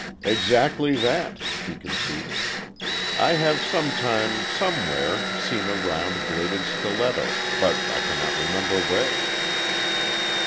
"Exactly that," he conceded. "I have sometime, somewhere, seen a round bladed stiletto—but I cannot remember where."